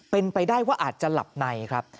เป็นไปได้ว่าอาจจะหลับในครับ